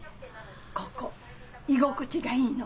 ここ居心地がいいの。